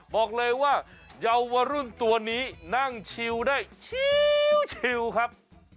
บอกเลยว่าเยาวรุ่นตัวนี้นั่งชิวได้ชิวครับ